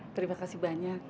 terima kasih banyak